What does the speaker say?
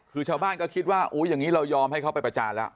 คือชาวบ้านก็คิดว่าอย่างนี้เรายอมให้เขาไปประจานแล้ว